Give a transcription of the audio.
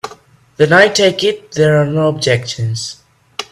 Then I take it there are no objections.